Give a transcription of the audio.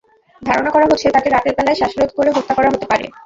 ধারণা করা হচ্ছে, তাকে রাতের বেলায় শ্বাসরোধ করে হত্যা করা হতে পারে।